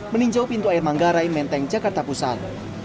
meninjau pintu air manggarai menteng jakarta pusat